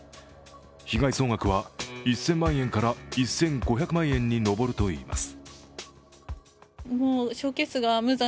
被害総額は１０００万円から１５００万円に上るといいます。